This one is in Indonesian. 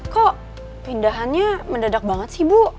kok pindahannya mendadak banget sih bu